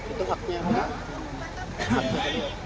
itu haknya beliau